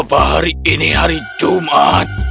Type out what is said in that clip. apa hari ini hari jumat